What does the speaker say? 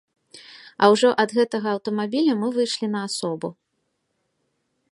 А ўжо ад гэтага аўтамабіля мы выйшлі на асобу.